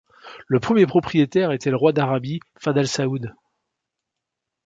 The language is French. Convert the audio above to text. Le premier propriétaire était le roi d'Arabie Fahd Al Saoud.